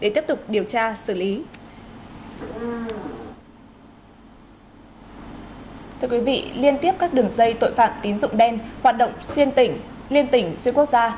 thưa quý vị liên tiếp các đường dây tội phạm tín dụng đen hoạt động xuyên tỉnh liên tỉnh xuyên quốc gia